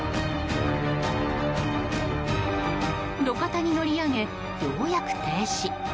路肩に乗り上げ、ようやく停止。